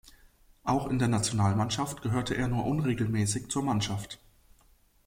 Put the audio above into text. Auch in der Nationalmannschaft gehörte er nur unregelmäßig zur Mannschaft.